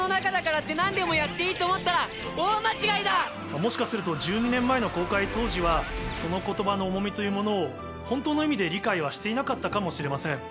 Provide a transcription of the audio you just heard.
もしかすると１２年前の公開当時はその言葉の重みというものを本当の意味で理解はしていなかったかもしれません。